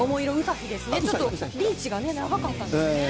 ちょっとリーチがね、長かったですね。